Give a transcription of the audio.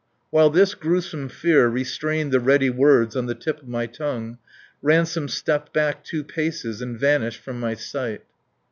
While this gruesome fear restrained the ready words on the tip of my tongue, Ransome stepped back two paces and vanished from my sight.